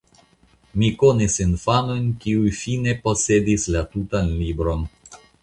Mi konis infanojn kiuj fine posedis la tutan libron.